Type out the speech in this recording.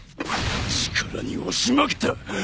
力におしまけた？